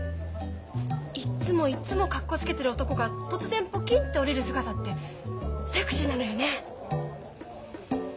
いっつもいっつもかっこつけてる男が突然ポキンって折れる姿ってセクシーなのよね。